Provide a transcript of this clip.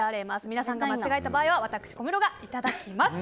皆さんが間違えた場合は私、小室がいただきます。